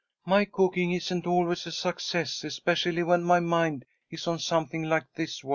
My cooking isn't always a success, especially when my mind is on something like this work."